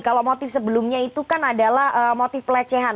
kalau motif sebelumnya itu kan adalah motif pelecehan